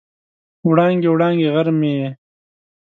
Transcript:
وړانګې، وړانګې غر مې یې